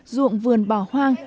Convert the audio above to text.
ruộng vườn bò hoang